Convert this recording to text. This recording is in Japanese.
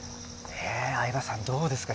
相葉さん、どうですか？